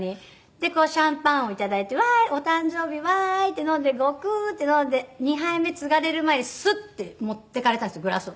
でこうシャンパンを頂いて「わーい！お誕生日わーい！」って飲んでゴクッて飲んで２杯目つがれる前にスッて持っていかれたんですよグラスを。